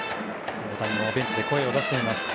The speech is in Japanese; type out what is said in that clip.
大谷もベンチで声を出しています。